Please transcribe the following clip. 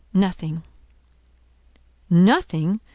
"Nothing." "Nothing!